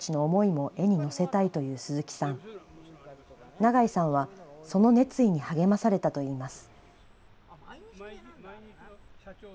長井さんはその熱意に励まされたといいます。